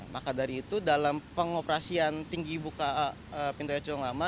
maka dari itu dalam pengoperasian tinggi buka pintu lama